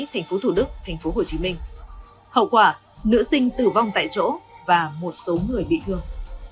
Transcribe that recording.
thành phố thủ đức thành phố hồ chí minh hậu quả nữ sinh tử vong tại chỗ và một số người bị thương